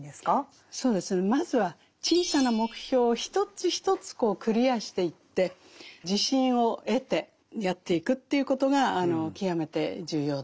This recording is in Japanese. そうですねまずは小さな目標を一つ一つクリアしていって自信を得てやっていくということが極めて重要だということですね。